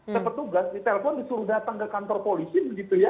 saya petugas di telpon disuruh datang ke kantor polisi begitu ya